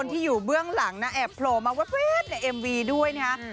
ที่อยู่เบื้องหลังนะแอบโผล่มาแว๊บในเอ็มวีด้วยนะฮะ